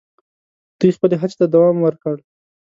دوی خپلي هڅي ته دوم ورکړ.